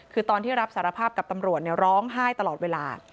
คือตอนที่รับสารภาพกับตำรวจร้องไห้ตลอดเวลา